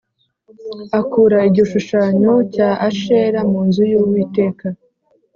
Akura igishushanyo cya ashera mu nzu y uwiteka